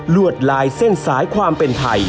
วดลายเส้นสายความเป็นไทย